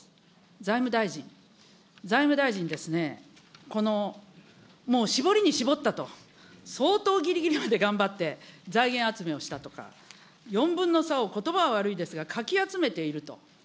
財務大臣、財務大臣ですね、このもう絞りに絞ったと、相当ぎりぎりまで頑張って、財源集めをしたとか、４分の３をことばは悪いですが、かき集めていると。